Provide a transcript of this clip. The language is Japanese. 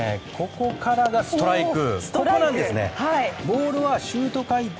ここからがストライク。